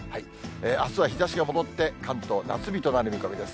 あすは日ざしが戻って関東、夏日となる見込みです。